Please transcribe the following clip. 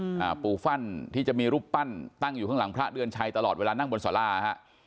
อ่าปู่ฟั่นที่จะมีรูปปั้นตั้งอยู่ข้างหลังพระเดือนชัยตลอดเวลานั่งบนสาราฮะ